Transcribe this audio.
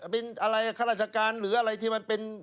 เป็นอะไรข้าราชการหรืออะไรที่มันเป็น